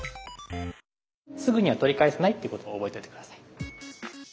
すぐには取り返せないということを覚えておいて下さい。